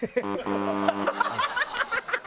ハハハハハ！